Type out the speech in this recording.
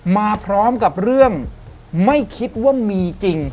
มาพร้อมกับเรื่องไม่คิดว่ามีจริง